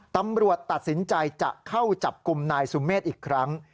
ตำรวจตัดสินใจจะเข้าจับกลุ่มนายสุเมฆอีกครั้ง